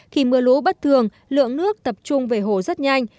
khi mưa lũ bất thường lượng nước tập trung về hồ rất nhanh